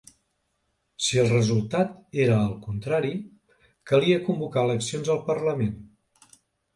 Si el resultat era el contrari, calia convocar eleccions al parlament.